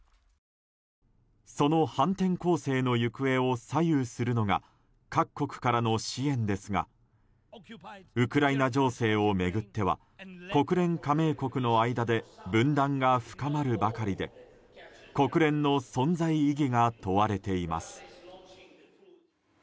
その反転攻勢の行方を左右するのが各国からの支援ですがウクライナ情勢を巡っては国連加盟国の間で分断が深まるばかりで国連の存在意義が問われています。